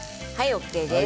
ＯＫです。